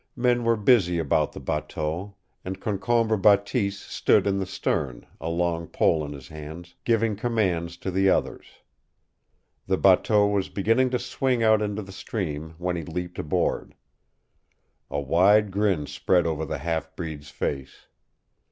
Men were busy about the bateau, and Concombre Bateese stood in the stern, a long pole in his hands, giving commands to the others. The bateau was beginning to swing out into the stream when he leaped aboard. A wide grin spread over the half breed's face.